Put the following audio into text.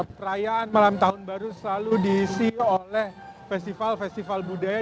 perayaan malam tahun baru selalu diisi oleh festival festival budaya